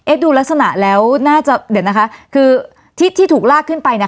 ดูลักษณะแล้วน่าจะเดี๋ยวนะคะคือที่ที่ถูกลากขึ้นไปเนี่ย